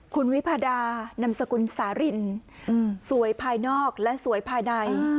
คุณวิพาดานำสกุลสารินสวยภายนอกและสวยภายใน